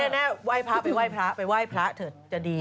แต่ที่นี่แน่ไหว้พระไปไหว้พระเธอจะดี